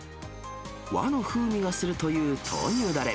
和の風味がするという豆乳だれ。